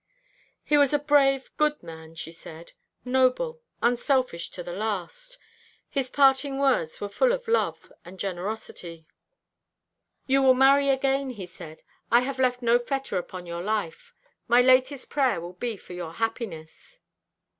"He was a brave, good man," she said; "noble, unselfish to the last. His parting words were full of love and generosity. 'You will marry again,' he said. 'I have left no fetter upon your life. My latest prayer will be for your happiness.'"